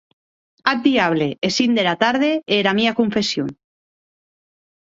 Ath diable es cinc dera tarde e era mia confession!